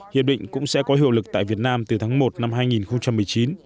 hiệp định cũng sẽ có hiệu lực tại việt nam từ tháng một năm hai nghìn một mươi chín